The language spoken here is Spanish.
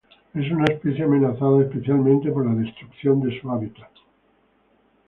Es una especie amenazada, especialmente por la destrucción de hábitat.